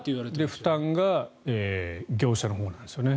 負担が業者のほうなんですよね。